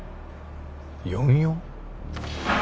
４４？